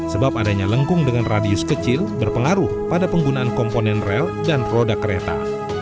sebab adanya lengkung dengan radius kecil berpengaruh pada penggunaan komponen rel dan roda kereta